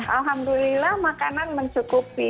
alhamdulillah makanan mencukupi